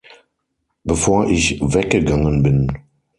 Bevor ich weggegangen bin.